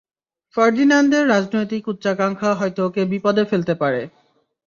ফার্দিন্যান্দের রাজনৈতিক উচ্চাকাঙ্ক্ষা হয়তো ওকে বিপদে ফেলতে পারে।